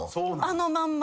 あのまんま。